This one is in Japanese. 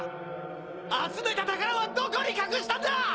集めた宝はどこに隠したんだ！？